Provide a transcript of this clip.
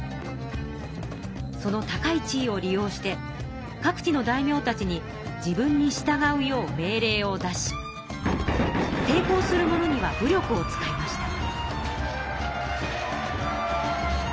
その高い地位を利用して各地の大名たちに自分に従うよう命令を出していこうする者には武力を使いました。